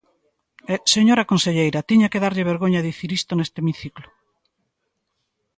E, señora conselleira, tiña que darlle vergoña dicir isto neste hemiciclo.